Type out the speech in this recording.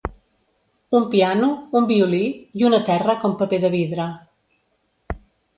Un piano, un violí i un terra com paper de vidre.